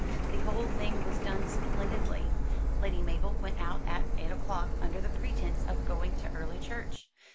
The whole thing was done splendidly. Lady Mabel went out at eight o'clock, under the pretence of going to early church.